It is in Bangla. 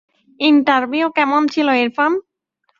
ইন্টারভিউ কেমন ছিল, ইরফান?